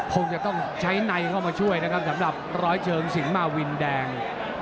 คงจะต้องใช้ในเข้ามาช่วยนะครับสำหรับร้อยเชิงสิงหมาวินแดง